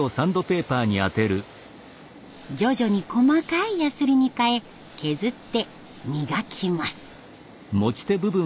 徐々に細かいやすりに替え削って磨きます。